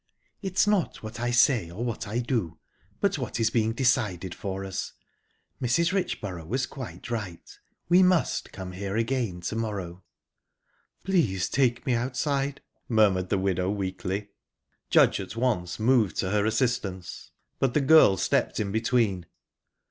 "It is not what I say, or what I do, but what is being decided for us. Mrs. Richborough was quite right we must come here again to morrow." "Please take me outside," murmured the widow weakly. Judge at once moved to her assistance, but the girl stepped in between.